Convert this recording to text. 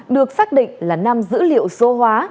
được xác định là năm dữ liệu số hóa